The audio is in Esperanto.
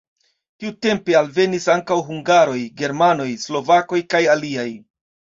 Tiutempe alvenis ankaŭ hungaroj, germanoj, slovakoj kaj aliaj.